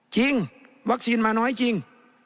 จริงวัคซีนมาน้อยจริง